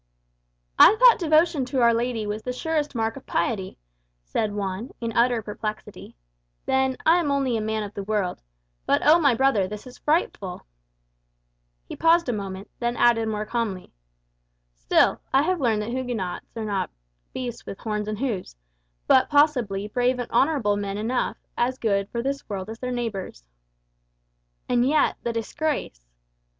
'" "I thought devotion to Our Lady was the surest mark of piety," said Juan, in utter perplexity. "Then, I am only a man of the world. But oh, my brother, this is frightful!" He paused a moment, then added more calmly, "Still, I have learned that Huguenots are not beasts with horns and hoofs; but, possibly, brave and honourable men enough, as good, for this world, as their neighbours. And yet the disgrace!"